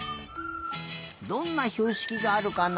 どんなひょうしきがあるかな？